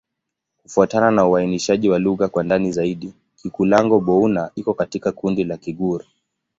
Kufuatana na uainishaji wa lugha kwa ndani zaidi, Kikulango-Bouna iko katika kundi la Kigur.